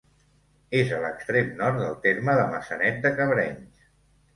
És a l'extrem nord del terme de Maçanet de Cabrenys.